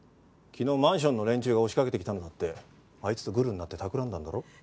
昨日マンションの連中が押しかけてきたのだってあいつとグルになってたくらんだんだろ？